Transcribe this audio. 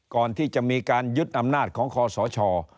ก่อนที่จะมีการยึดอำนาจของคอสช